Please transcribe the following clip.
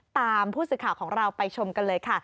ตามผู้สื่อข่าวของเราไปชมกันเลยค่ะ